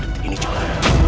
di titik ini juga